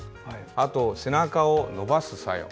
あと、背中を伸ばす作用。